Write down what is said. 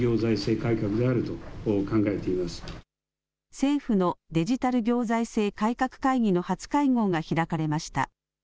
政府のデジタル行財政改革会議の初会合が開かれました。